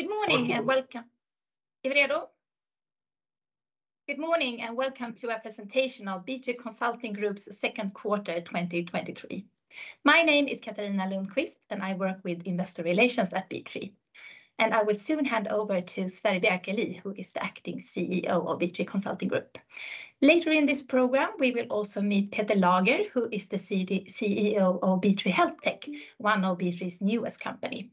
Good morning, and welcome to our presentation of B3 Consulting Group's second quarter, 2023. My name is Katarina Lundqvist, and I work with Investor Relations at B3. I will soon hand over to Sverre Bjerkeli, who is the acting CEO of B3 Consulting Group. Later in this program, we will also meet Peter Lager, who is the CEO of B3 HealthTech, one of B3's newest company.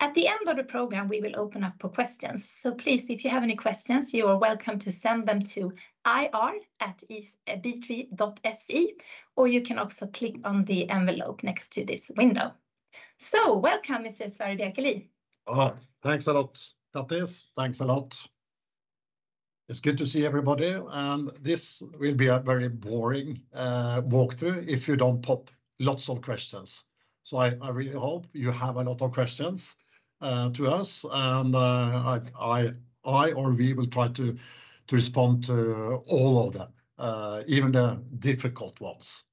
At the end of the program, we will open up for questions. Please, if you have any questions, you are welcome to send them to ir@b3.se, or you can also click on the envelope next to this window. Welcome, Mr. Sverre Bjerkeli. Thanks a lot, Kattis. Thanks a lot. It's good to see everybody. This will be a very boring walkthrough if you don't pop lots of questions. I really hope you have a lot of questions to us. I or we will try to respond to all of them, even the difficult ones.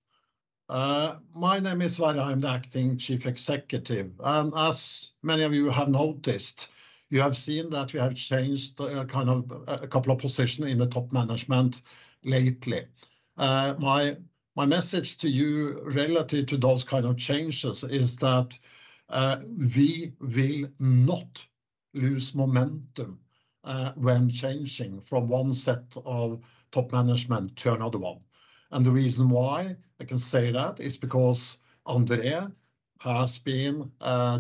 My name is Sverre, I'm the acting Chief Executive. As many of you have noticed, you have seen that we have changed a couple of position in the top management lately. My message to you relative to those kind of changes is that we will not lose momentum when changing from one set of top management to another one. The reason why I can say that is because André has been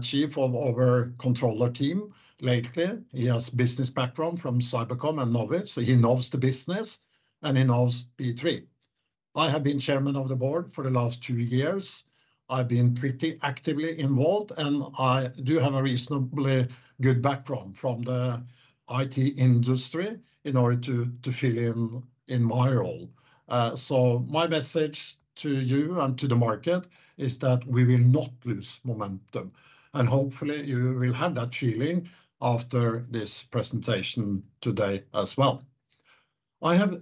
chief of our controller team lately. He has business background from Cybercom and Knowit, so he knows the business, and he knows B3. I have been chairman of the board for the last two years. I've been pretty actively involved, and I do have a reasonably good background from the IT industry in order to fill in in my role. My message to you and to the market is that we will not lose momentum, and hopefully, you will have that feeling after this presentation today as well. I have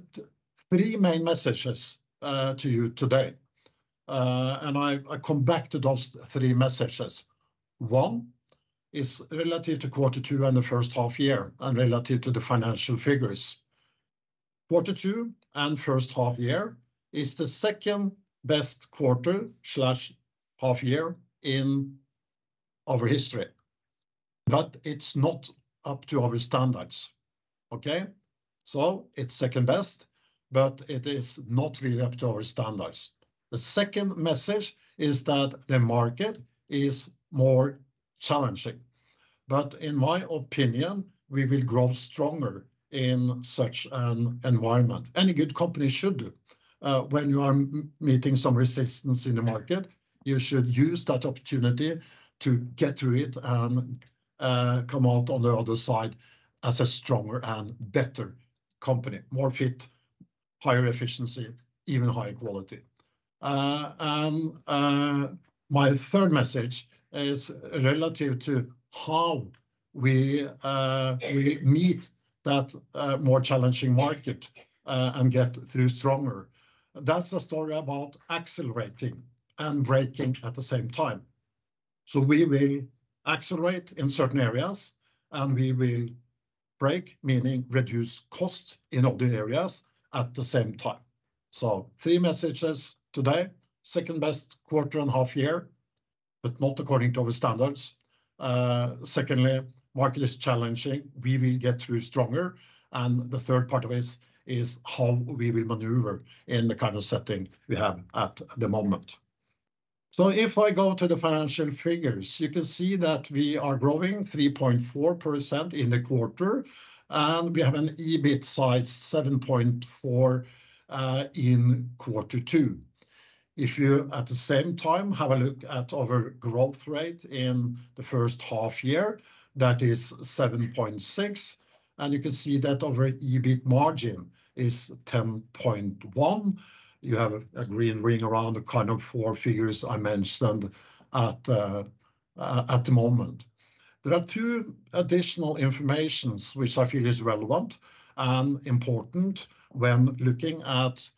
three main messages to you today. I come back to those three messages. One is relative to quarter two and the first half-year, and relative to the financial figures. Quarter two and first half-year is the second-best quarter/half-year in our history. It's not up to our standards. Okay. It's second-best. It is not really up to our standards. The second message is that the market is more challenging. In my opinion, we will grow stronger in such an environment. Any good company should do. When you are meeting some resistance in the market, you should use that opportunity to get through it and come out on the other side as a stronger and better company, more fit, higher efficiency, even higher quality. My third message is relative to how we meet that more challenging market and get through stronger. That's a story about accelerating and braking at the same time. We will accelerate in certain areas, and we will brake, meaning reduce cost in other areas at the same time. Three messages today, second best quarter and half -]ear, but not according to our standards. Secondly, market is challenging. We will get through stronger. The third part of this is how we will maneuver in the kind of setting we have at the moment. If I go to the financial figures, you can see that we are growing 3.4% in the quarter, and we have an EBIT size 7.4% in quarter two. If you, at the same time, have a look at our growth rate in the first half-year, that is 7.6%, and you can see that our EBIT margin is 10.1%. You have a green ring around the kind of four figures I mentioned at the moment. There are two additional informations which I feel is relevant and important when looking at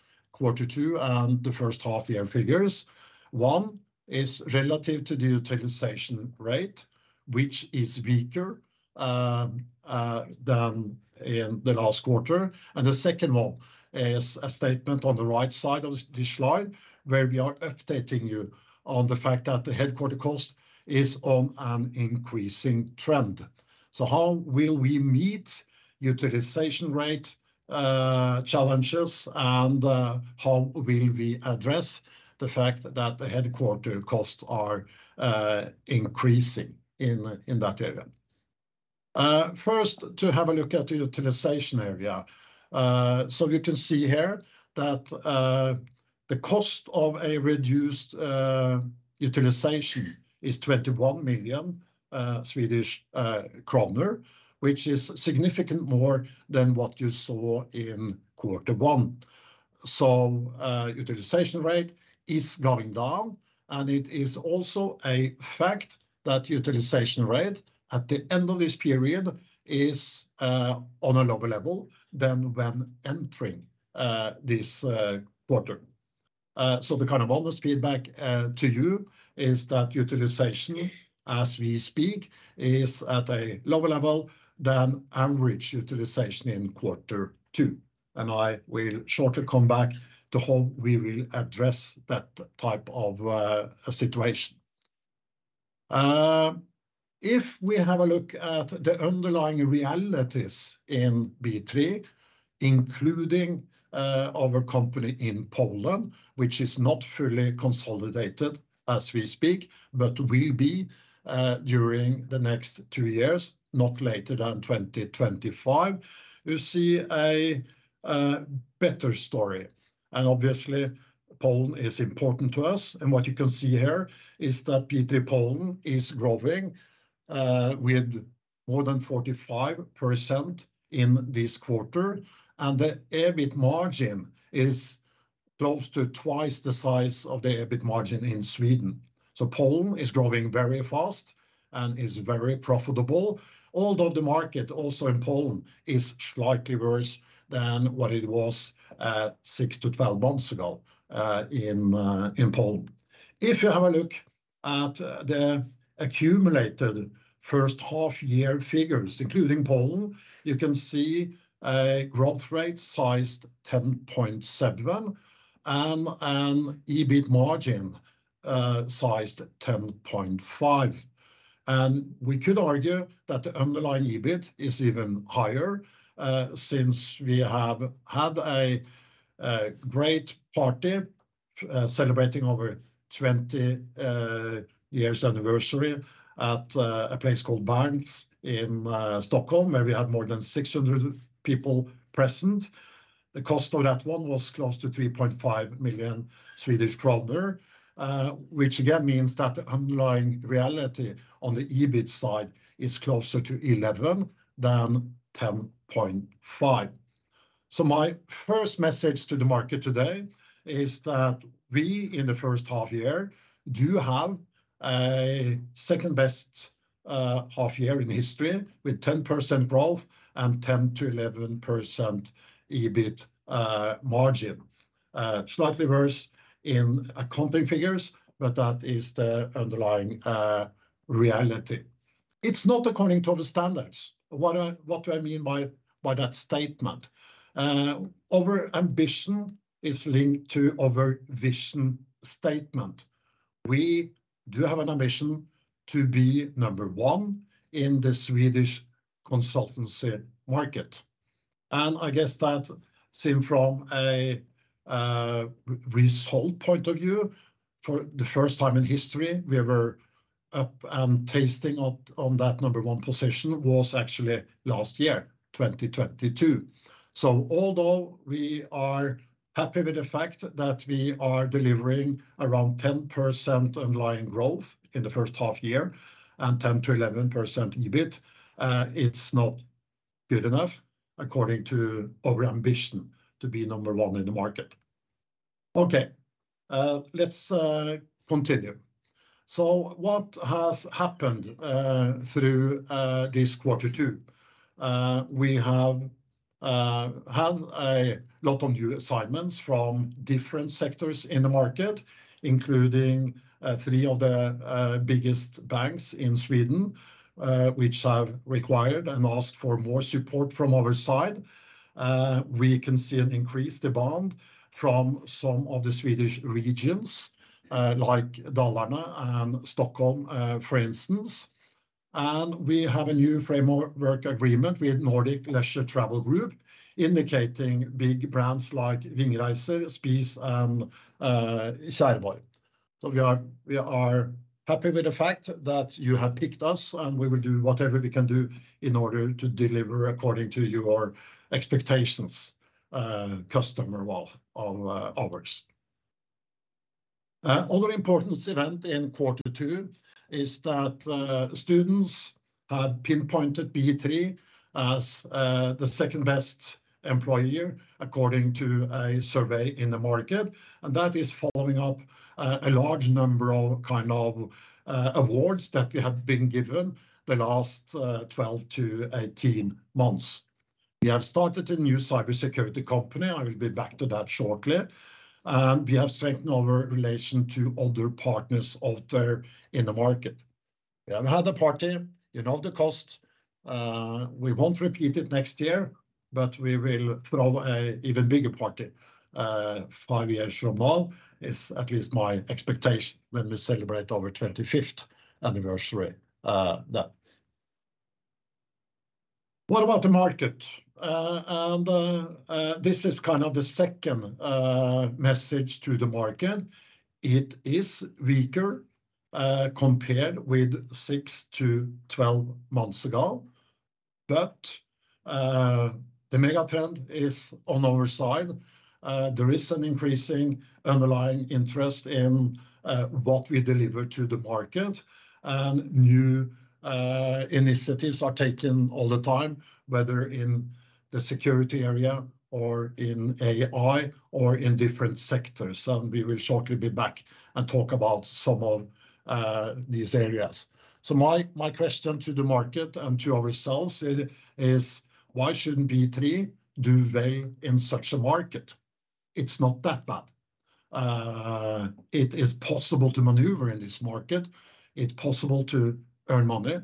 quarter two and the first half-year figures. One is relative to the utilization rate, which is weaker than in the last quarter. The second one is a statement on the right side of this slide, where we are updating you on the fact that the headquarter cost is on an increasing trend. How will we meet utilization rate challenges, and how will we address the fact that the headquarter costs are increasing in that area? First, to have a look at the utilization area. You can see here that the cost of a reduced utilization is 21 million Swedish kronor, which is significant more than what you saw in Q1. Utilization rate is going down, and it is also a fact that utilization rate at the end of this period is on a lower level than when entering this quarter. The kind of honest feedback to you is that utilization, as we speak, is at a lower level than average utilization in Q2, and I will shortly come back to how we will address that type of situation. If we have a look at the underlying realities in B3, including our company in Poland, which is not fully consolidated as we speak, but will be during the next two years, not later than 2025, you see a better story. Obviously, Poland is important to us, and what you can see here is that B3 Poland is growing with more than 45% in this quarter, and the EBIT margin is close to twice the size of the EBIT margin in Sweden. Poland is growing very fast and is very profitable. Although the market, also in Poland, is slightly worse than what it was six to twelve months ago in Poland. If you have a look at the accumulated first half-year figures, including Poland, you can see a growth rate sized 10.7 and an EBIT margin, sized 10.5. We could argue that the underlying EBIT is even higher, since we have had a great party celebrating over 20 years anniversary at a place called Berns in Stockholm, where we had more than 600 people present. The cost of that one was close to 3.5 million Swedish kronor, which again, means that the underlying reality on the EBIT side is closer to 11 than 10.5. My first message to the market today is that we, in the first half-year, do have a second best half-year in history, with 10% growth and 10%-11% EBIT margin. Slightly worse in accounting figures, that is the underlying reality. It's not according to the standards. What do I mean by that statement? Our ambition is linked to our vision statement. We do have an ambition to be number one in the Swedish consultancy market, I guess that seen from a result point of view, for the first time in history, we were up and tasting on that number one position, was actually last year, 2022. Although we are happy with the fact that we are delivering around 10% underlying growth in the first half-year and 10%-11% EBIT, it's not good enough according to our ambition to be number one in the market. Okay, let's continue. What has happened through this quarter two? We have had a lot of new assignments from different sectors in the market, including three of the biggest banks in Sweden, which have required and asked for more support from our side. We can see an increased demand from some of the Swedish regions, like Dalarna and Stockholm, for instance. We have a new framework agreement with Nordic Leisure Travel Group, indicating big brands like Vingresor, Spies and Tjäreborg. We are happy with the fact that you have picked us, and we will do whatever we can do in order to deliver according to your expectations, customer of ours. Other important event in quarter two is that students have pinpointed B3 as the second best employer, according to a survey in the market. That is following up a large number of awards that we have been given the last 12-18 months. We have started a new cybersecurity company. I will be back to that shortly. We have strengthened our relation to other partners out there in the market. We have had a party, the cost. We won't repeat it next year, but we will throw an even bigger party years from now, is at least my expectation when we celebrate our 25th anniversary then. What about the market? This is the second message to the market. It is weaker, compared with six to twelve months ago, but the mega trend is on our side. There is an increasing underlying interest in what we deliver to the market, and new initiatives are taken all the time, whether in the security area or in AI or in different sectors, and we will shortly be back and talk about some of these areas. My question to the market and to ourselves is: Why shouldn't B3 do well in such a market? It's not that bad. It is possible to maneuver in this market, it's possible to earn money,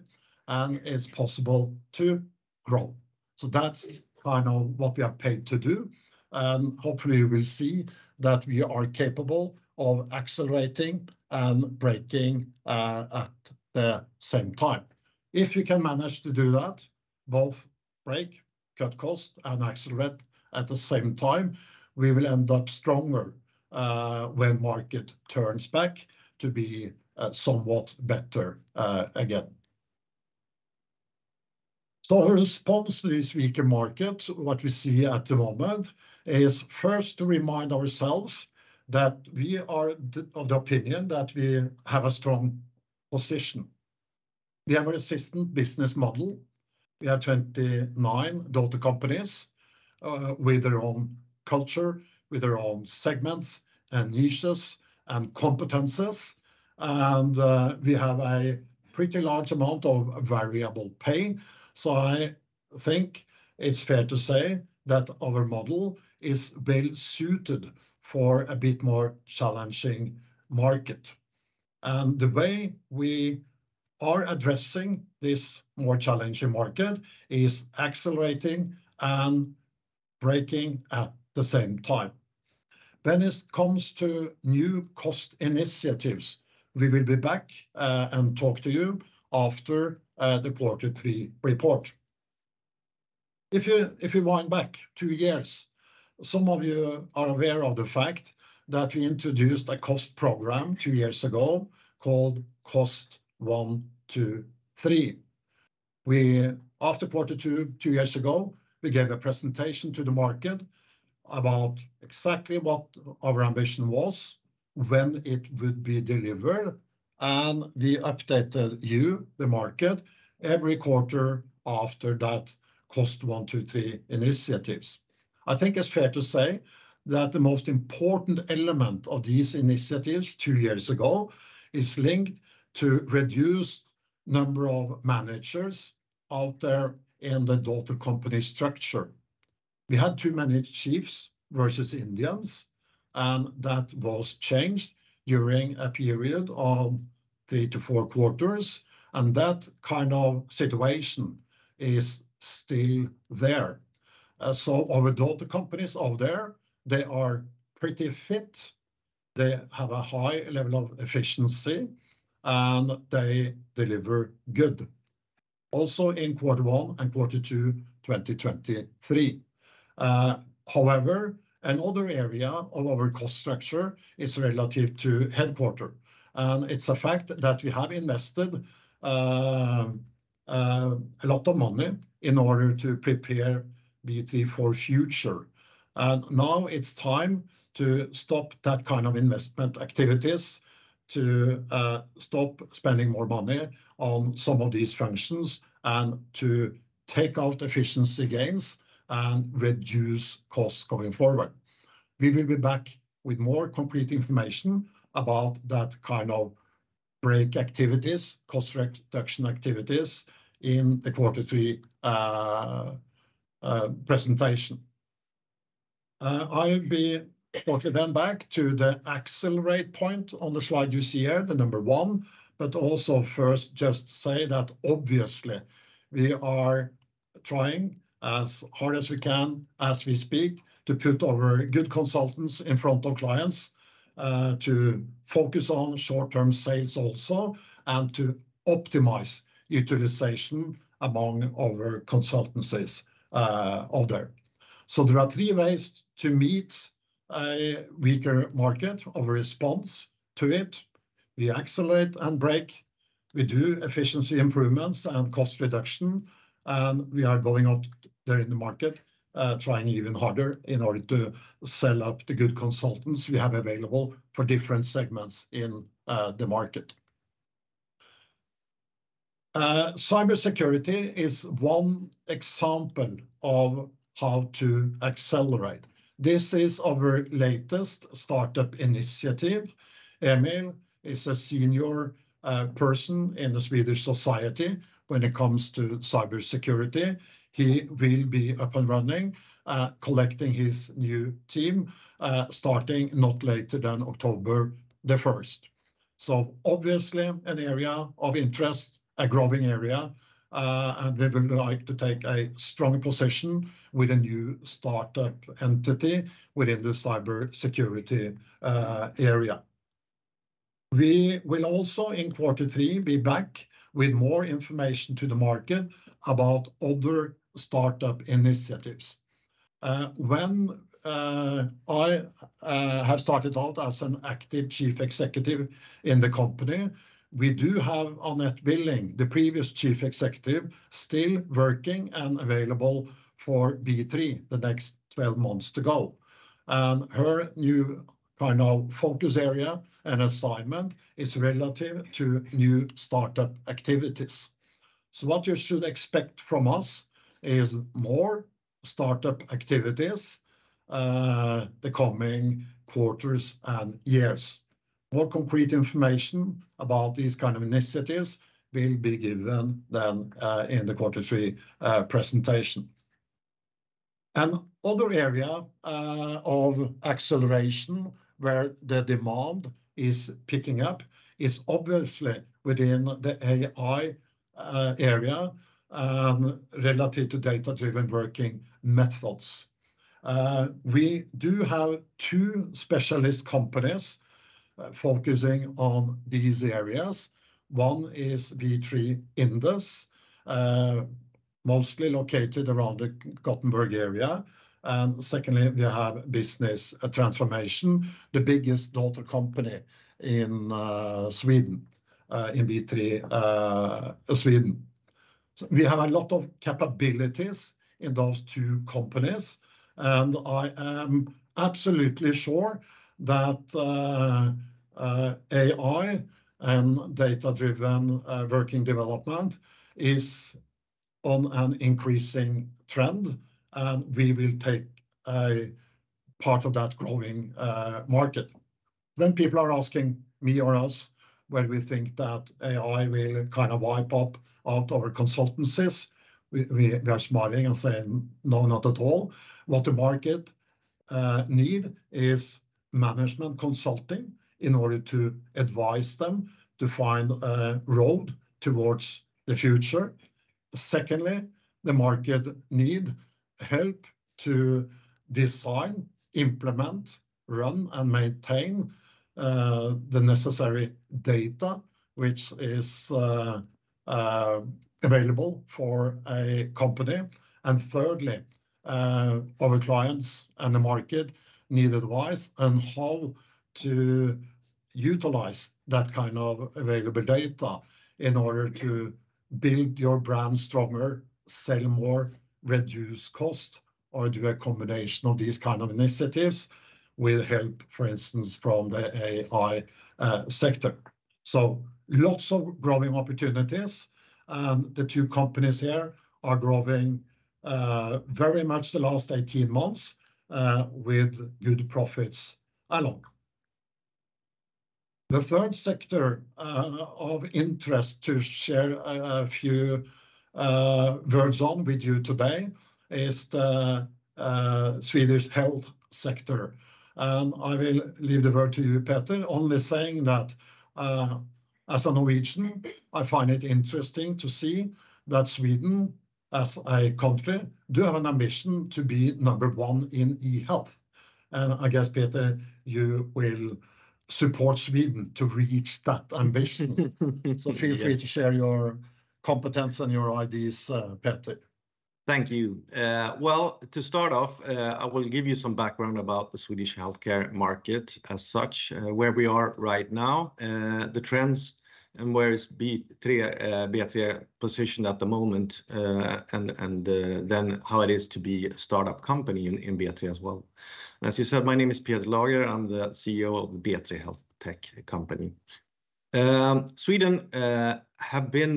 and it's possible to grow. That's kind of what we are paid to do, and hopefully, we'll see that we are capable of accelerating and braking at the same time. If you can manage to do that, both brake, cut cost, and accelerate at the same time, we will end up stronger, when market turns back to be somewhat better again. Our response to this weaker market, what we see at the moment, is first to remind ourselves that we are of the opinion that we have a strong position. We have a resistant business model. We have 29 daughter companies, with their own culture, with their own segments and niches and competences, and we have a pretty large amount of variable pay. I think it's fair to say that our model is well-suited for a bit more challenging market. The way we are addressing this more challenging market is accelerating and braking at the same time. When it comes to new cost initiatives, we will be back and talk to you after the quarter three report. If you, if you wind back two years, some of you are aware of the fact that we introduced a cost program two years ago called Cost 1-2-3. After quarter two, two years ago, we gave a presentation to the market about exactly what our ambition was, when it would be delivered, and we updated you, the market, every quarter after that Cost 1-2-3 initiatives. I think it's fair to say that the most important element of these initiatives two years ago, is linked to reduced number of managers out there in the daughter company structure. We had too many chiefs versus Indians, and that was changed during a period of three to four quarters, and that kind of situation is still there. Our daughter companies out there, they are pretty fit. They have a high level of efficiency, and they deliver good. Also, in quarter one and quarter two, 2023. However, another area of our cost structure is relative to headquarters, and it's a fact that we have invested a lot of money in order to prepare B3 for future. Now it's time to stop that kind of investment activities, to stop spending more money on some of these functions, and to take out efficiency gains and reduce costs going forward. We will be back with more complete information about that kind of brake activities, cost reduction activities, in the quarter three presentation. I'll be okay then back to the accelerate point on the slide you see here, the number one, but also first just say that obviously we are trying as hard as we can as we speak, to put our good consultants in front of clients, to focus on short-term sales also, and to optimize utilization among our consultancies out there. There are three ways to meet a weaker market, our response to it: we accelerate and brake, we do efficiency improvements and cost reduction, and we are going out there in the market, trying even harder in order to sell out the good consultants we have available for different segments in the market. Cybersecurity is one example of how to accelerate. This is our latest startup initiative. Emil is a senior person in the Swedish society when it comes to cybersecurity. He will be up and running, collecting his new team, starting not later than October 1st. Obviously, an area of interest, a growing area, and we would like to take a strong position with a new startup entity within the cybersecurity area. We will also, in quarter three, be back with more information to the market about other startup initiatives. When I have started out as an active chief executive in the company, we do have Anette Billing, the previous chief executive, still working and available for B3, the next 12 months to go. Her new kind of focus area and assignment is relative to new startup activities. What you should expect from us is more startup activities, the coming quarters and years. More concrete information about these kind of initiatives will be given then, in the quarter three presentation. Other area of acceleration where the demand is picking up is obviously within the AI area, relative to data-driven working methods. We do have two specialist companies focusing on these areas. One is B3 Indes, mostly located around the Gothenburg area. Secondly, we have B3 Business Transformation, the biggest daughter company in Sweden, in B3 Sweden. We have a lot of capabilities in those two companies, and I am absolutely sure that AI and data-driven working development is on an increasing trend, and we will take a part of that growing market. When people are asking me or us, where we think that AI will kind of wipe up out our consultancies, we are smiling and saying, "No, not at all." What the market need is management consulting in order to advise them to find a road towards the future. Secondly, the market need help to design, implement, run, and maintain the necessary data, which is available for a company. Thirdly, our clients and the market need advice on how to utilize that kind of available data in order to build your brand stronger, sell more, reduce cost, or do a combination of these kind of initiatives with help, for instance, from the AI sector. Lots of growing opportunities, and the two companies here are growing very much the last 18 months with good profits along. The third sector of interest to share a few words on with you today is the Swedish health sector. I will leave the word to you, Peter, only saying that as a Norwegian, I find it interesting to see that Sweden, as a country, do have an ambition to be number one in e-health. I guess, Peter, you will support Sweden to reach that ambition. Yes. Feel free to share your competence and your ideas, Peter. Thank you. Well, to start off, I will give you some background about the Swedish healthcare market as such, where we are right now, the trends, and where is B3 positioned at the moment, then how it is to be a startup company in B3 as well. As you said, my name is Peter Lager. I'm the CEO of B3 HealthTech company. Sweden have been,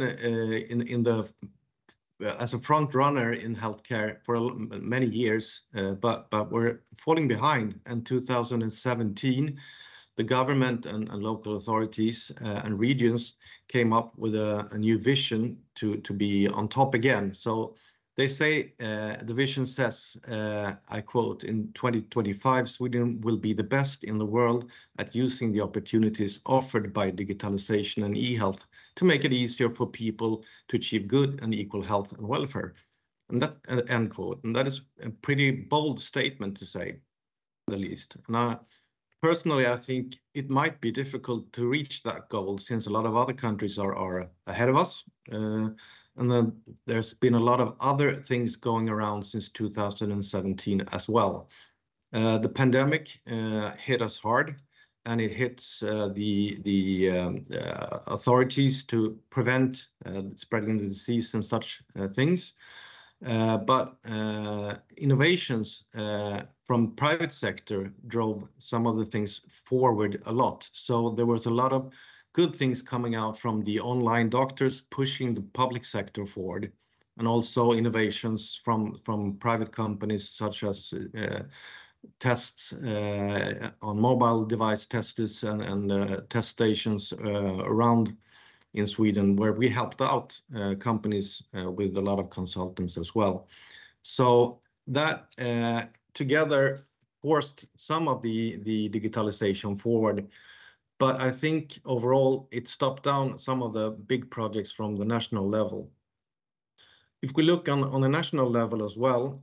well, as a front runner in healthcare for many years, but we're falling behind. In 2017, the government and local authorities and regions came up with a new vision to be on top again. They say, the vision says, I quote, "In 2025, Sweden will be the best in the world at using the opportunities offered by digitalization and e-Health to make it easier for people to achieve good and equal health and welfare." That, end quote. That is a pretty bold statement to say, the least. Personally, I think it might be difficult to reach that goal since a lot of other countries are ahead of us. There's been a lot of other things going around since 2017 as well. The pandemic hit us hard, and it hits the authorities to prevent spreading the disease and such things. Innovations from private sector drove some of the things forward a lot. There was a lot of good things coming out from the online doctors pushing the public sector forward, and also innovations from private companies such as tests on mobile device testers and test stations around in Sweden, where we helped out companies with a lot of consultants as well. That together forced some of the digitalization forward. I think overall, it stopped down some of the big projects from the national level. If we look on a national level as well,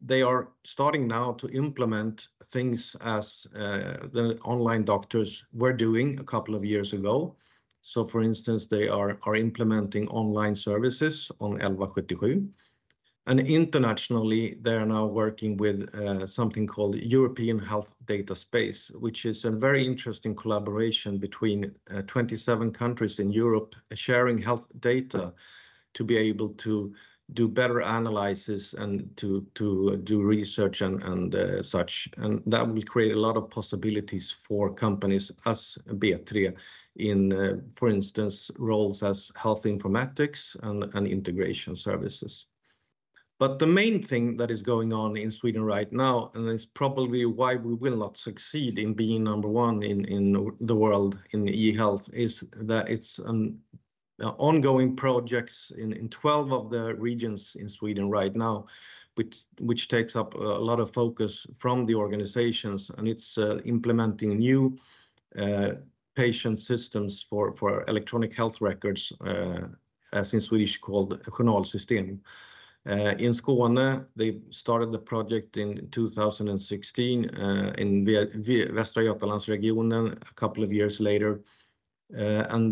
they are starting now to implement things as the online doctors were doing a couple of years ago. For instance, they are implementing online services on 1177. Internationally, they are now working with something called European Health Data Space, which is a very interesting collaboration between 27 countries in Europe, sharing health data to be able to do better analysis and to do research and such. That will create a lot of possibilities for companies as B3 in, for instance, roles as health informatics and integration services. The main thing that is going on in Sweden right now, and it's probably why we will not succeed in being number one in the world, in e-health, is that there are ongoing projects in 12 of the regions in Sweden right now, which takes up a lot of focus from the organizations, and it's implementing new patient systems for electronic health records, as in Swedish called journal system. In Skåne, they started the project in 2016 in Västra Götalandsregionen a couple of years later.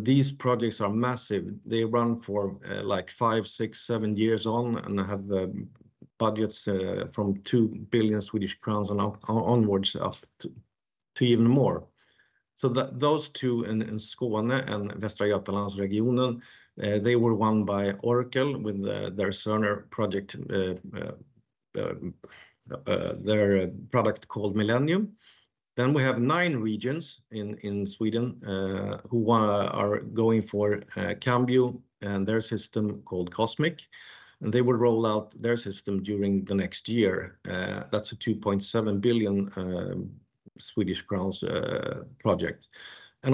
These projects are massive. They run for like five, six, seven years on, and have budgets from 2 billion Swedish crowns onwards up to even more. Those two in Skåne and Västra Götalandsregionen, they were won by Oracle with their Cerner project, their product called Millennium. We have nine regions in Sweden who are going for Cambio and their system called COSMIC, and they will roll out their system during the next year. That's a 2.7 billion Swedish crowns project.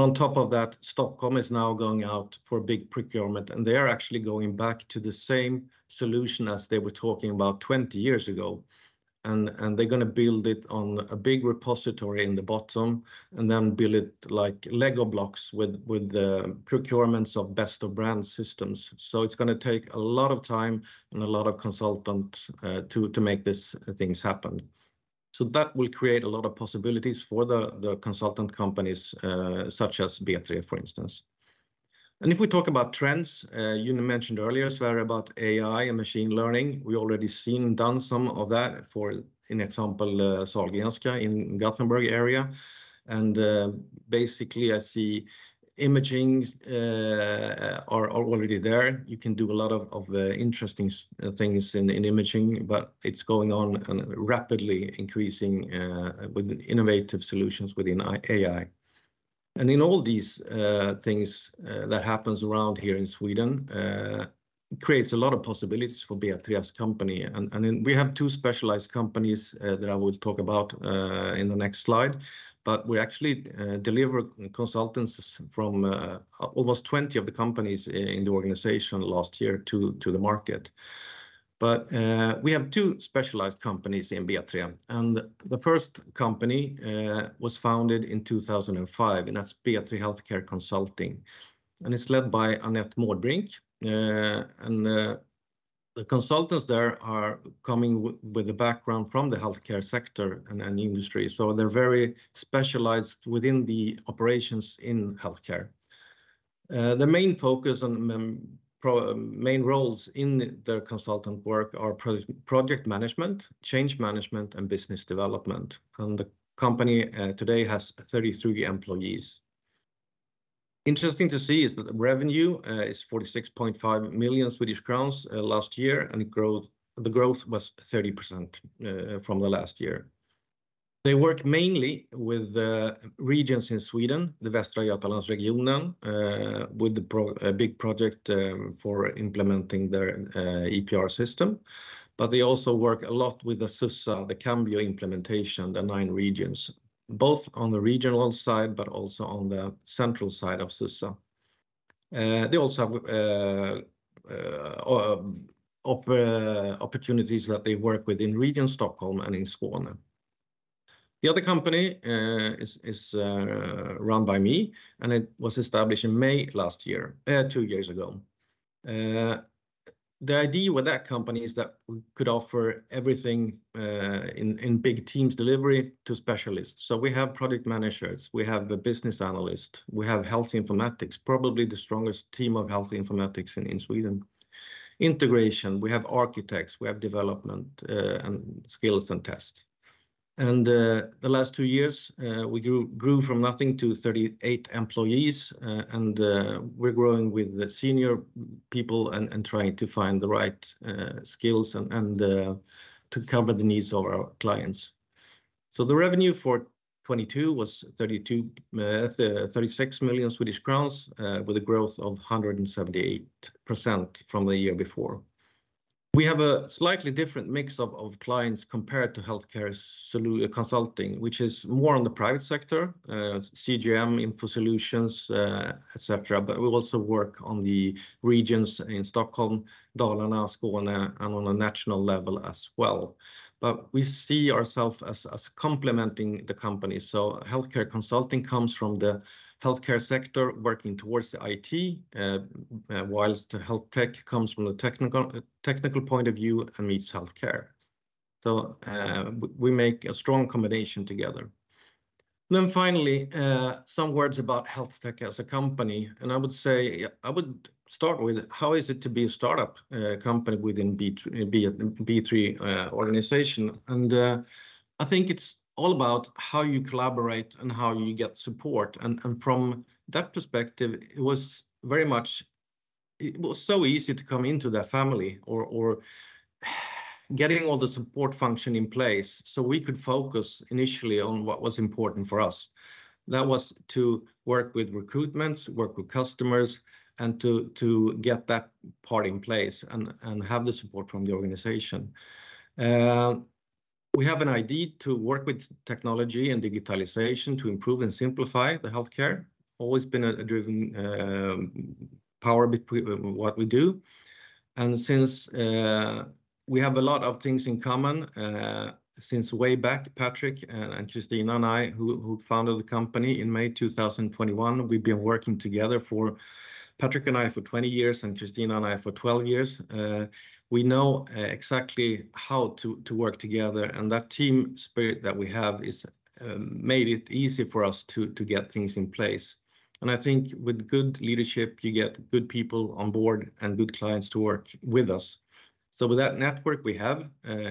On top of that, Stockholm is now going out for a big procurement, and they are actually going back to the same solution as they were talking about 20 years ago. They're gonna build it on a big repository in the bottom, and then build it like Lego blocks with procurements of best-of-brand systems. It's gonna take a lot of time and a lot of consultant to make these things happen. That will create a lot of possibilities for the consultant companies, such as B3, for instance. If we talk about trends, you mentioned earlier, sorry, about AI and machine learning. We already seen, done some of that for, in example, Sahlgrenska in Gothenburg area. Basically, I see imagings are already there. You can do a lot of interesting things in imaging, but it's going on and rapidly increasing with innovative solutions within AI. In all these things that happens around here in Sweden, creates a lot of possibilities for B3's company. We have two specialized companies that I will talk about in the next slide. We actually deliver consultancies from almost 20 of the companies in the organization last year to the market. We have two specialized companies in B3, and the first company was founded in 2005, and that's B3 Healthcare Consulting, and it's led by Annette Mårdbrink. The consultants there are coming with a background from the healthcare sector and industry, so they're very specialized within the operations in healthcare. The main focus and main roles in their consultant work are project management, change management, and business development. The company today has 33 employees. Interesting to see is that the revenue is 46.5 million Swedish crowns last year. Growth was 30% from the last year. They work mainly with regions in Sweden, the Västra Götalandsregionen, with the big project for implementing their EPR system. They also work a lot with the SUSSA, the Cambio implementation, the 9 regions, both on the regional side, but also on the central side of SUSSA. They also have opportunities that they work with in Region Stockholm and in Skåne. The other company is run by me. It was established in May last year, two years ago. The idea with that company is that we could offer everything in big teams delivery to specialists. We have product managers, we have a business analyst, we have health informatics, probably the strongest team of health informatics in Sweden. Integration, we have architects, we have development, and skills and test. The last two years, we grew from nothing to 38 employees, and we're growing with the senior people and trying to find the right skills and to cover the needs of our clients. The revenue for 2022 was 36 million Swedish crowns, with a growth of 178% from the year before. We have a slightly different mix of clients compared to healthcare consulting, which is more on the private sector, CGM, InfoSolutions, etc. We also work on the regions in Stockholm, Dalarna, Skåne, and on a national level as well. We see ourself as complementing the company. Healthcare consulting comes from the healthcare sector working towards the IT, whilst the HealthTech comes from a technical point of view and meets healthcare. We make a strong combination together. Finally, some words about HealthTech as a company, I would start with, how is it to be a startup company within Beijer organization? I think it's all about how you collaborate and how you get support, and from that perspective, it was very much. It was so easy to come into that family or getting all the support function in place, so we could focus initially on what was important for us. That was to work with recruitments, work with customers, and to get that part in place and have the support from the organization. We have an idea to work with technology and digitalization to improve and simplify the healthcare. Always been a driven power between what we do, and since we have a lot of things in common since way back, Patrick and Christina and I, who founded the company in May 2021. We've been working together for, Patrick and I, for 20 years, and Christina and I for 12 years. We know exactly how to work together, and that team spirit that we have is made it easy for us to get things in place. I think with good leadership, you get good people on board and good clients to work with us. With that network we have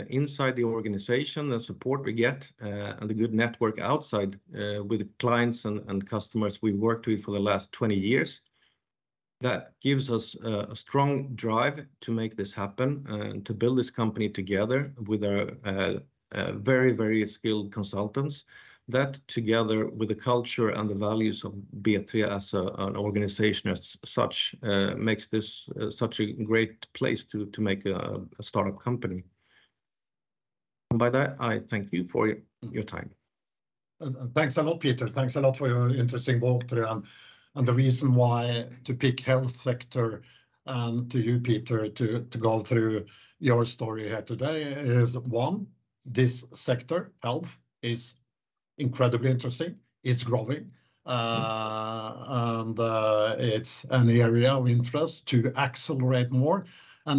inside the organization, the support we get, and the good network outside, with the clients and customers we worked with for the last 20 years, that gives us a strong drive to make this happen and to build this company together with our very, very skilled consultants. That, together with the culture and the values of B3 as an organization as such, makes this such a great place to make a startup company. By that, I thank you for your time. Thanks a lot, Peter. Thanks a lot for your interesting walkthrough and the reason why to pick health sector, and to you, Peter, to go through your story here today is, one, this sector, health, is incredibly interesting. It's growing, and it's an area of interest to accelerate more.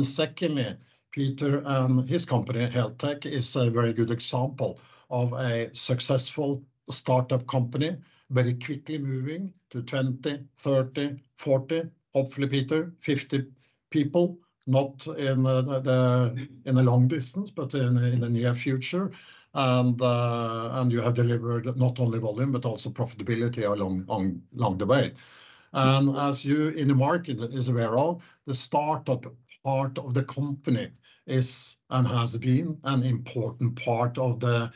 Secondly, Peter and his company, B3 HealthTech, is a very good example of a successful startup company, very quickly moving to 20, 30, 40, hopefully, Peter, 50 people, not in the in the long distance, but in the near future. You have delivered not only volume, but also profitability along the way. As you in the market is aware of, the startup part of the company is, and has been an important part of the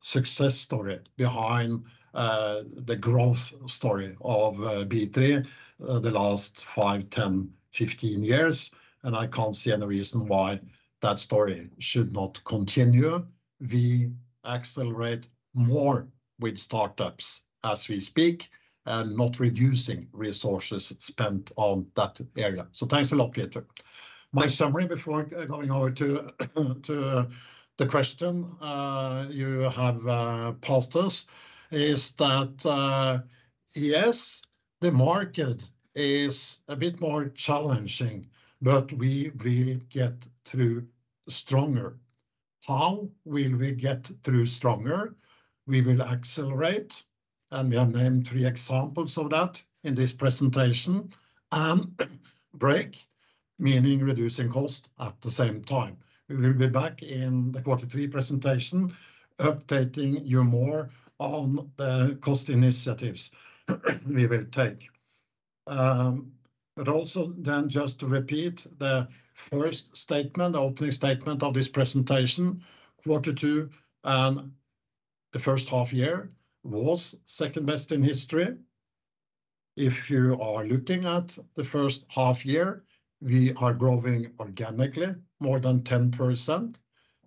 success story behind the growth story of B3, the last 5, 10, 15 years. I can't see any reason why that story should not continue. We accelerate more with startups as we speak, not reducing resources spent on that area. Thanks a lot, Peter. My summary before going over to the question you have posed to us is that, yes, the market is a bit more challenging. We will get through stronger. How will we get through stronger? We will accelerate. We have named three examples of that in this presentation. Break, meaning reducing cost at the same time. We will be back in the quarter three presentation, updating you more on the cost initiatives, we will take. Just to repeat the first statement, opening statement of this presentation, quarter two and the first half-year was second best in history. If you are looking at the first half-year, we are growing organically more than 10%.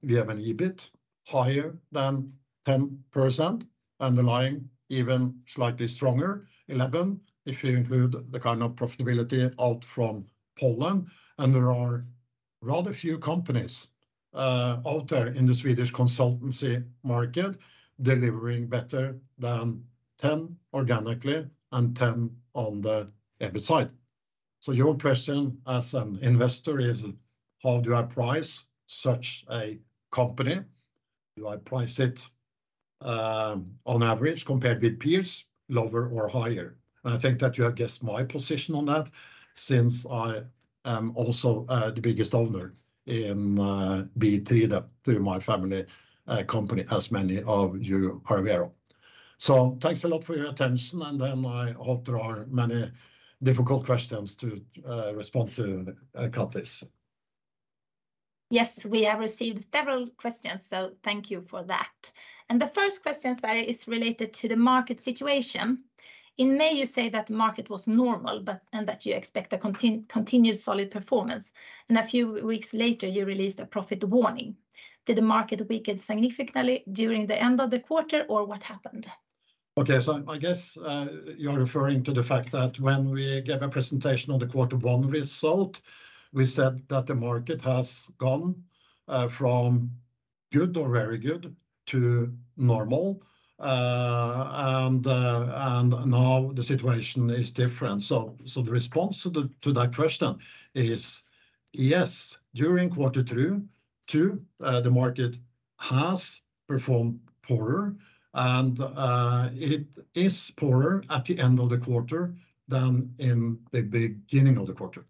We have an EBIT higher than 10%, underlying even slightly stronger, 11, if you include the kind of profitability out from Poland. There are rather few companies out there in the Swedish consultancy market, delivering better than 10 organically and 10 on the EBIT side. Your question as an investor is: How do I price such a company? Do I price it on average, compared with peers, lower or higher? I think that you have guessed my position on that since I am also the biggest owner in B3, through my family company, as many of you are aware of. Thanks a lot for your attention, and then I hope there are many difficult questions to respond to Kattis. We have received several questions, so thank you for that. The first question that is related to the market situation. In May, you say that the market was normal, but that you expect a continued solid performance, a few weeks later, you released a profit warning. Did the market weaken significantly during the end of the quarter, or what happened? I guess, you're referring to the fact that when we gave a presentation on the quarter one result, we said that the market has gone from good or very good to normal. Now the situation is different. The response to the, to that question is yes, during quarter two, the market has performed poorer, and it is poorer at the end of the quarter than in the beginning of the quarter.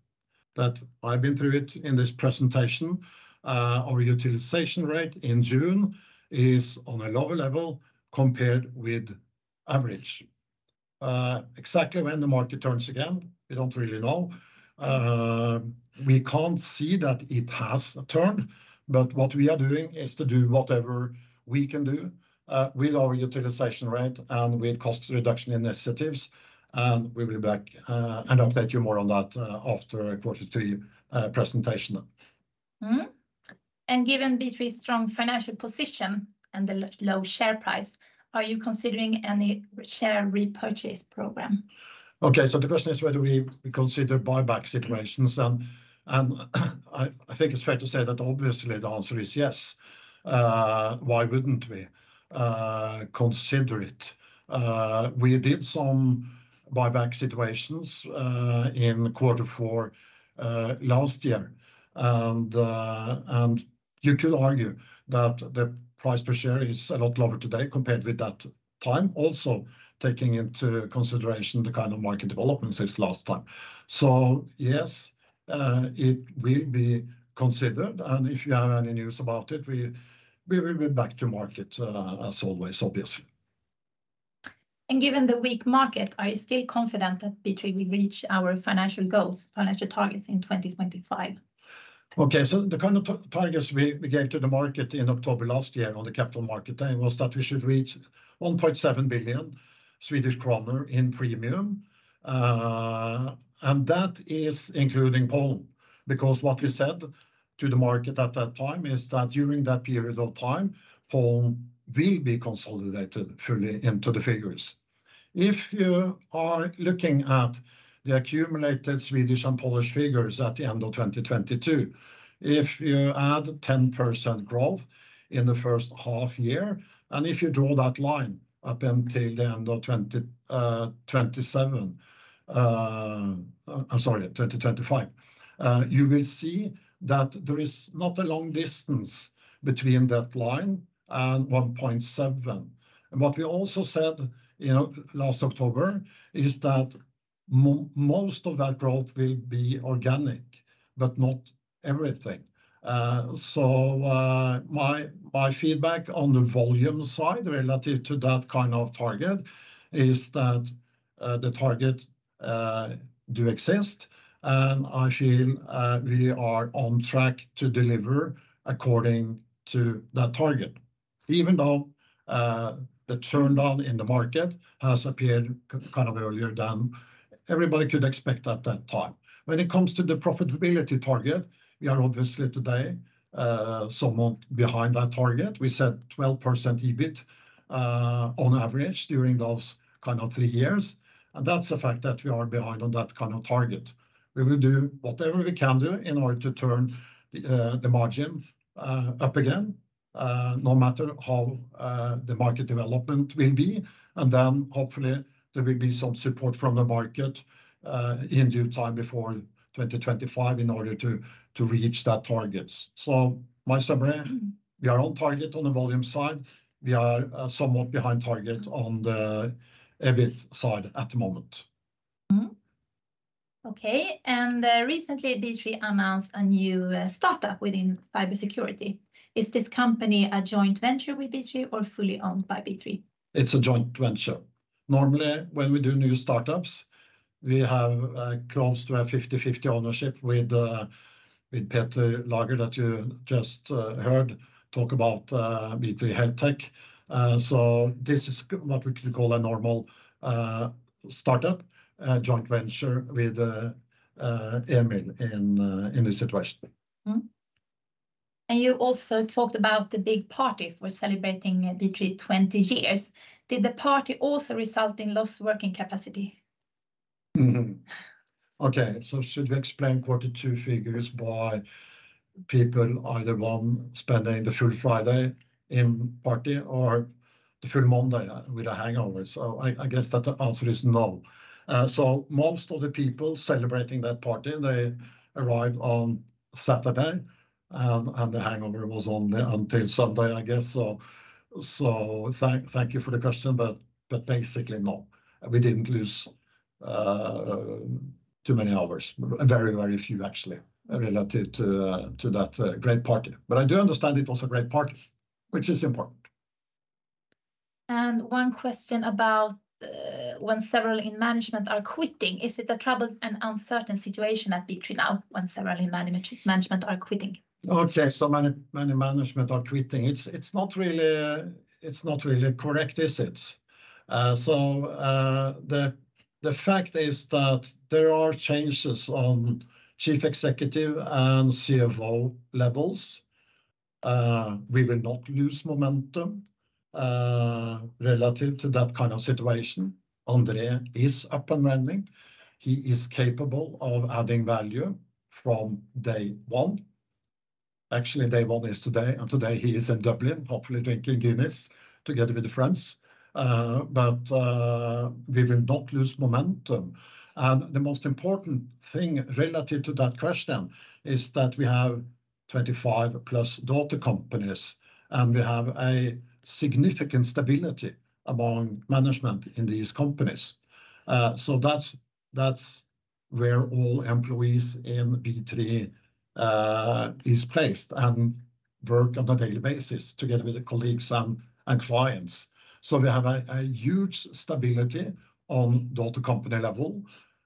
That I've been through it in this presentation, our utilization rate in June is on a lower level compared with average. Exactly when the market turns again, we don't really know. We can't see that it has turned, but what we are doing is to do whatever we can do with our utilization rate and with cost reduction initiatives, and we will be back and update you more on that after our quarter three presentation. Given B3's strong financial position and the low share price, are you considering any share repurchase program? The question is whether we consider buyback situations, and I think it's fair to say that obviously the answer is yes. Why wouldn't we consider it? We did some buyback situations in quarter four last year. You could argue that the price per share is a lot lower today compared with that time. Also, taking into consideration the kind of market developments since last time. Yes, it will be considered, and if you have any news about it, we will be back to market as always, obviously. Given the weak market, are you still confident that B3 will reach our financial goals, financial targets in 2025? The kind of targets we gave to the market in October last year on the capital market day was that we should reach 1.7 billion Swedish kronor in premium. That is including Poland, because what we said to the market at that time is that during that period of time, Poland will be consolidated fully into the figures. If you are looking at the accumulated Swedish and Polish figures at the end of 2022, if you add 10% growth in the first half-year, and if you draw that line up until the end of 2025, you will see that there is not a long distance between that line and 1.7. What we also said, you know, last October, is that most of that growth will be organic, but not everything. My, my feedback on the volume side, relative to that kind of target, is that the target do exist, and I feel we are on track to deliver according to that target, even though the turnaround in the market has appeared kind of earlier than everybody could expect at that time. When it comes to the profitability target, we are obviously today, somewhat behind that target. We said 12% EBIT, on average, during those kind of three years. That's the fact that we are behind on that kind of target. We will do whatever we can do in order to turn the the margin up again no matter how the market development will be. Hopefully, there will be some support from the market in due time before 2025 in order to reach that target. My summary, we are on target on the volume side. We are somewhat behind target on the EBIT side at the moment. Okay, recently, B3 announced a new, startup within cybersecurity. Is this company a joint venture with B3 or fully owned by B3? It's a joint venture. Normally, when we do new startups, we have close to a 50/50 ownership with Peter Lager that you just heard talk about B3 HealthTech. This is what we could call a normal startup joint venture with Emil in this situation. You also talked about the big party for celebrating B3 20 years. Did the party also result in lost working capacity? Okay, should we explain quarter two figures by people, either one, spending the full Friday in party or the full Monday with a hangover? I guess that the answer is no. Most of the people celebrating that party, they arrived on Saturday, and the hangover was on the until Sunday, I guess so. Thank you for the question, but basically, no, we didn't lose too many hours. Very, very few, actually, relative to that great party. I do understand it was a great party, which is important. One question about, when several in management are quitting, is it a troubled and uncertain situation at B3 now, when several in management are quitting? Many management are quitting. It's not really correct, is it? The fact is that there are changes on chief executive and CFO levels. We will not lose momentum relative to that kind of situation. André is up and running. He is capable of adding value from day one. Actually, day one is today, and today he is in Dublin, hopefully drinking Guinness together with his friends. We will not lose momentum. The most important thing relative to that question is that we have 25+ daughter companies, and we have a significant stability among management in these companies. That's where all employees in B3 is placed and work on a daily basis together with their colleagues and clients. We have a huge stability on daughter company level.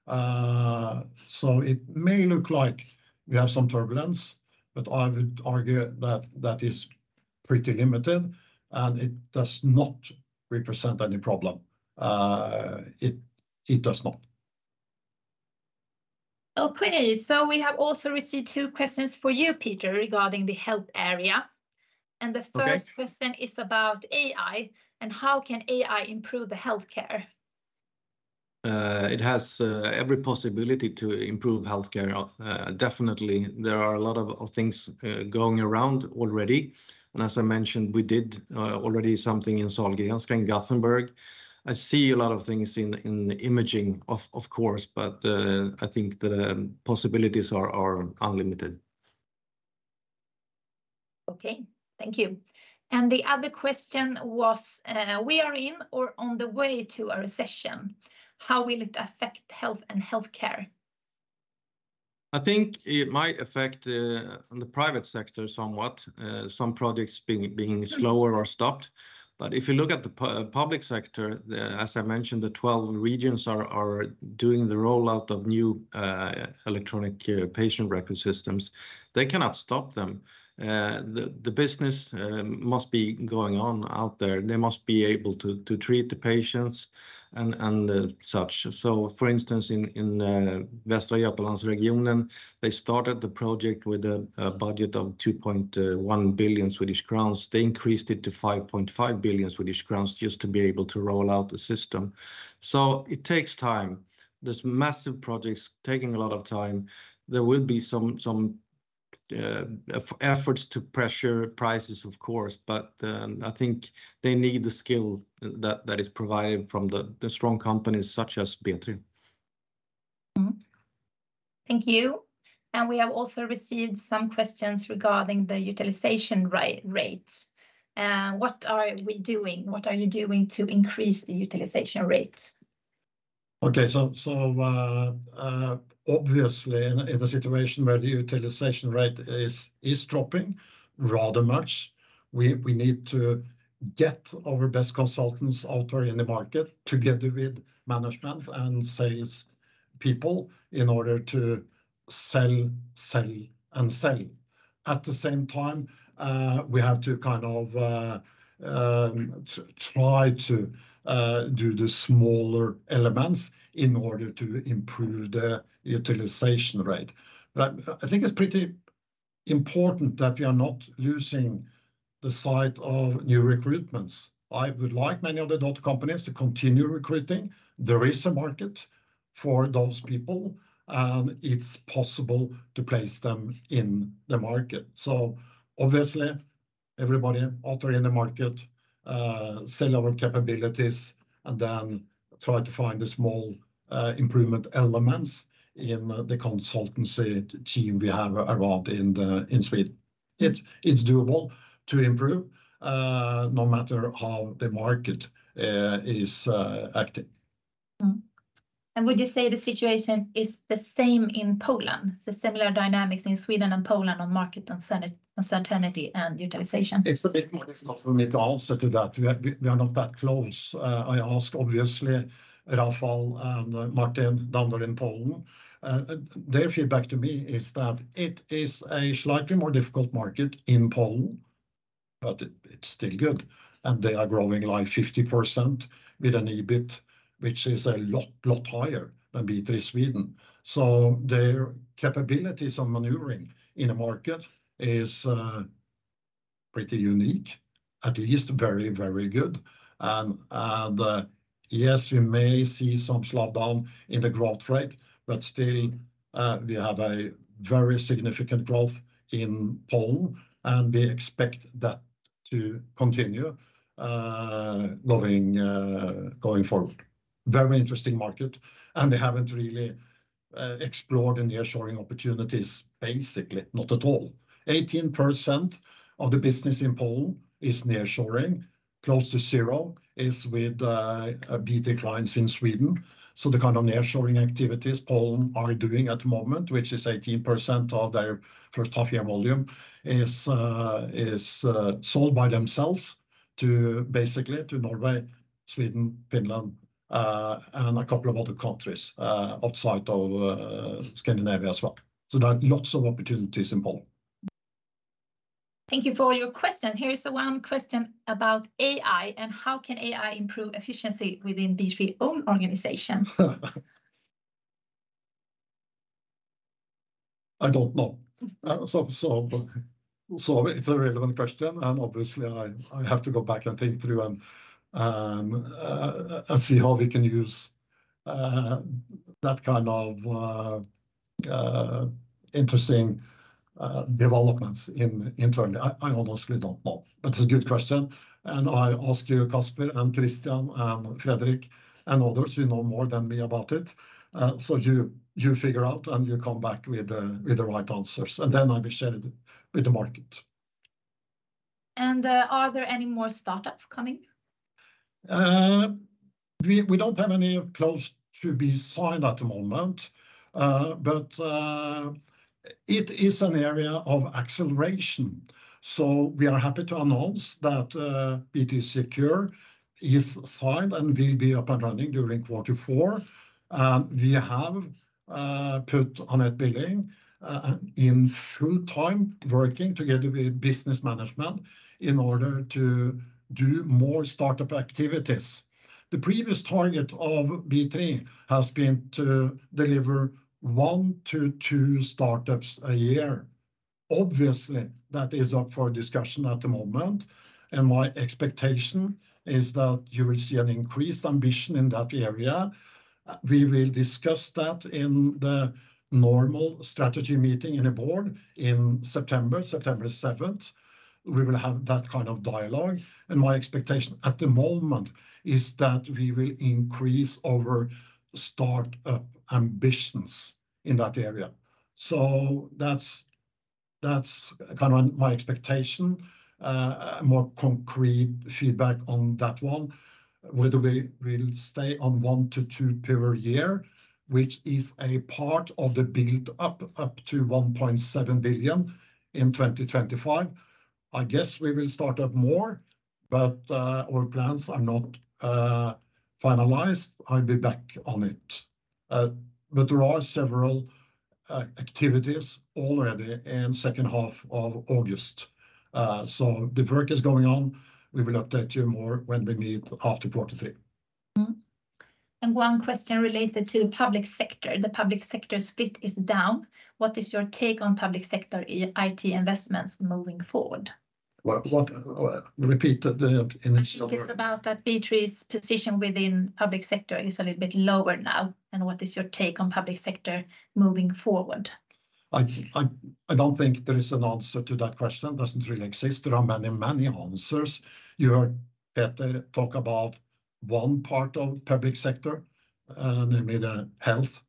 It may look like we have some turbulence, but I would argue that that is pretty limited, and it does not represent any problem. It does not. Okay, we have also received two questions for you, Peter, regarding the health area. Okay. The first question is about AI, and how can AI improve the healthcare? It has every possibility to improve healthcare. Definitely, there are a lot of things going around already, and as I mentioned, we did already something in Sahlgrenska in Gothenburg. I see a lot of things in imaging, of course, but I think the possibilities are unlimited. Okay, thank you. The other question was, we are in or on the way to a recession, how will it affect health and healthcare? I think it might affect on the private sector somewhat, some projects being slower or stopped. If you look at the public sector, as I mentioned, the 12 regions are doing the rollout of new electronic patient record systems. They cannot stop them. The business must be going on out there. They must be able to treat the patients and such. For instance, in Västra Götalandsregionen, they started the project with a budget of 2.1 billion Swedish crowns. They increased it to 5.5 billion Swedish crowns just to be able to roll out the system. It takes time. These massive projects taking a lot of time. There will be some efforts to pressure prices, of course, but, I think they need the skill that is provided from the strong companies such as B3. Thank you. We have also received some questions regarding the utilization rates. What are you doing to increase the utilization rates? Okay, obviously, in a situation where the utilization rate is dropping rather much, we need to get our best consultants out in the market, together with management and sales people, in order to sell, and sell. At the same time, we have to kind of try to do the smaller elements in order to improve the utilization rate. I think it's pretty important that we are not losing the sight of new recruitments. I would like many of the dot companies to continue recruiting. There is a market for those people, and it's possible to place them in the market. Obviously, everybody out in the market, sell our capabilities and then try to find the small improvement elements in the consultancy team we have around in Sweden. It's doable to improve, no matter how the market is acting. Would you say the situation is the same in Poland, the similar dynamics in Sweden and Poland on market uncertainty and utilization? It's a bit more difficult for me to answer to that. We are not that close. I ask, obviously, Rafael and Martin Nilsson in Poland, and their feedback to me is that it is a slightly more difficult market in Poland, but it's still good, and they are growing like 50% with an EBIT, which is a lot higher than B3 Sweden. Their capabilities on maneuvering in the market is pretty unique, at least very, very good. Yes, we may see some slowdown in the growth rate, but still, we have a very significant growth in Poland, and we expect that to continue going forward. Very interesting market, they haven't really explored the nearshoring opportunities, basically, not at all. 18% of the business in Poland is nearshoring. Close to zero is with B3 clients in Sweden. The kind of nearshoring activities Poland are doing at the moment, which is 18% of their first half-year volume, is sold by themselves to basically to Norway, Sweden, Finland, and a couple of other countries outside of Scandinavia as well. There are lots of opportunities in Poland. Thank you for your question. Here is the one question about AI, and how can AI improve efficiency within B3 own organization? I don't know. It's a relevant question, and obviously, I have to go back and think through and see how we can use that kind of interesting developments in internally. I honestly don't know, but it's a good question, and I ask you, Casper and Christian and Fredrik and others, you know more than me about it. You, you figure out, and you come back with the, with the right answers, and then I will share it with the market. Are there any more startups coming? We don't have any close to be signed at the moment. It is an area of acceleration, so we are happy to announce that B3 Secure is signed and will be up and running during quarter four. We have put Anette Billing in full time, working together with business management in order to do more startup activities. The previous target of B3 has been to deliver one to two startups a year. Obviously, that is up for discussion at the moment, and my expectation is that you will see an increased ambition in that area. We will discuss that in the normal strategy meeting in a board in September seventh. We will have that kind of dialogue, and my expectation at the moment is that we will increase our start-up ambitions in that area. That's kind of my expectation. A more concrete feedback on that one, whether we will stay on one to two per year, which is a part of the build-up, up to 1.7 billion in 2025. I guess we will start up more, but our plans are not finalized. I'll be back on it. There are several activities already in second half of August. The work is going on. We will update you more when we meet after quarter three. Mm-hmm. One question related to public sector. The public sector split is down. What is your take on public sector IT investments moving forward? What? Repeat the initial part. It is about that B3's position within public sector is a little bit lower now, and what is your take on public sector moving forward? I don't think there is an answer to that question. Doesn't really exist. There are many, many answers. You heard Peter talk about one part of public sector, namely the health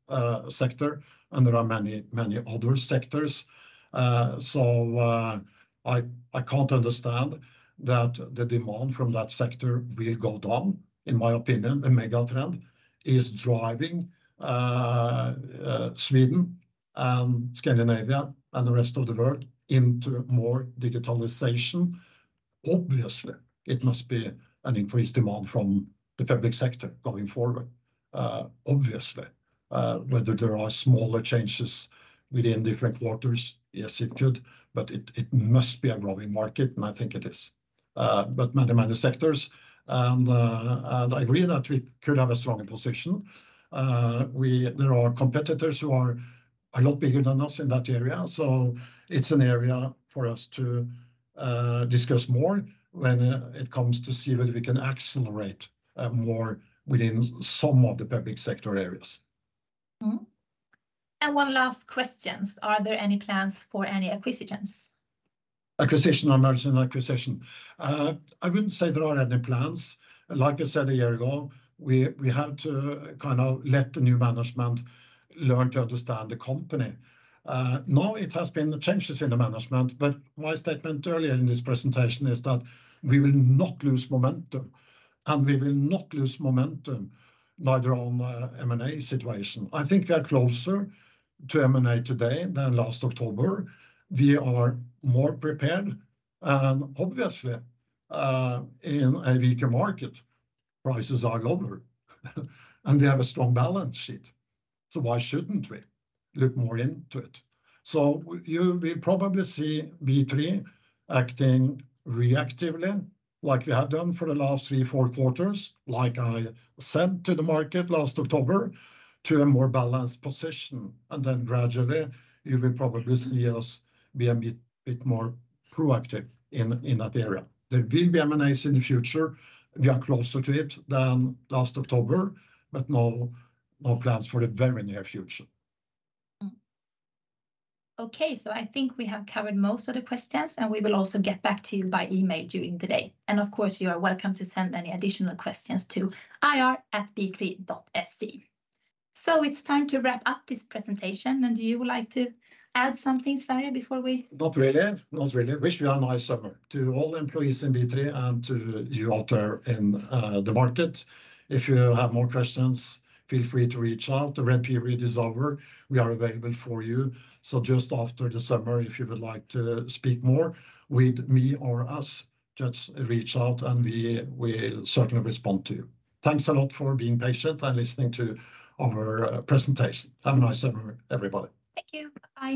sector, and there are many, many other sectors. I can't understand that the demand from that sector will go down. In my opinion, the mega trend is driving Sweden and Scandinavia and the rest of the world into more digitalization. Obviously, it must be an increased demand from the public sector going forward, obviously. Whether there are smaller changes within different quarters, yes, it could, but it must be a growing market, and I think it is. Many, many sectors, and I agree that we could have a stronger position. There are competitors who are a lot bigger than us in that area, so it's an area for us to discuss more when it comes to see whether we can accelerate more within some of the public sector areas. Mm-hmm. One last questions: Are there any plans for any acquisitions? Acquisition or merger and acquisition? I wouldn't say there are any plans. Like I said, a year ago, we had to kind of let the new management learn to understand the company. Now, it has been changes in the management, but my statement earlier in this presentation is that we will not lose momentum, and we will not lose momentum, neither on M&A situation. I think we are closer to M&A today than last October. We are more prepared, and obviously, in a weaker market, prices are lower, and we have a strong balance sheet. Why shouldn't we look more into it? You, we probably see B3 acting reactively, like we have done for the last 3, 4 quarters, like I said to the market last October, to a more balanced position, and then gradually, you will probably see us be a bit more proactive in that area. There will be M&As in the future. We are closer to it than last October, but no plans for the very near future. Okay, I think we have covered most of the questions, and we will also get back to you by email during the day. Of course, you are welcome to send any additional questions to ir@b3.se. It's time to wrap up this presentation, and do you like to add something, Sverre, before we? Not really, not really. Wish you a nice summer to all employees in B3 and to you out there in the market. If you have more questions, feel free to reach out. The ramp period is over. We are available for you. Just after the summer, if you would like to speak more with me or us, just reach out and we'll certainly respond to you. Thanks a lot for being patient and listening to our presentation. Have a nice summer, everybody. Thank you. Bye.